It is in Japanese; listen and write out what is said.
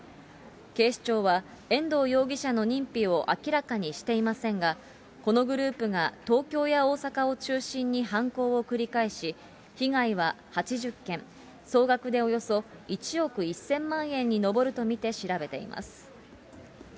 警視庁は、遠藤容疑者の認否を明らかにしていませんが、このグループが東京や大阪を中心に、犯行を繰り返し、被害は８０件、総額でおよそ１億１０００万円に上ると見て調べています。